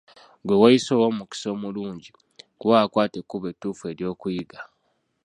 Ggwe weeyise ow'omukisa omulungi, kuba wakwata ekkubo ettuufu ery'okuyiga.